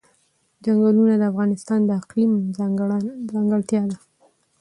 چنګلونه د افغانستان د اقلیم ځانګړتیا ده.